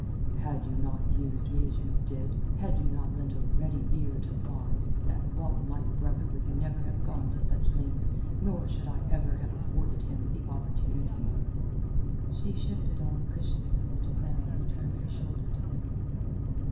"Had you not used me as you did, had you not lent a ready ear to lies, that whelp my brother would never have gone to such lengths, nor should I ever have afforded him the opportunity." She shifted on the cushions of the divan and turned her shoulder to him.